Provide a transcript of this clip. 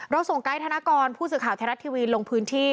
ส่งไกด์ธนกรผู้สื่อข่าวไทยรัฐทีวีลงพื้นที่